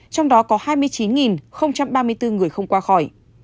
trong đó có hai mươi chín ba mươi bốn người không qua khỏi